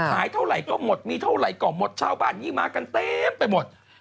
หายเท่าไหร่ก็หมดมีเท่าไหร่ก็หมดชาวบ้านนี้มากันเต็มไปหมด